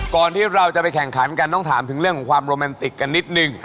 ก่อนที่เราจะไปแข่งขันกันต้องถามถึงเรื่องของความโรแมนติกกันนิดนึง